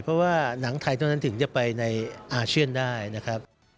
เพราะว่าหนังไทยเท่านั้นถึงจะไปในอาเซียนได้นะครับ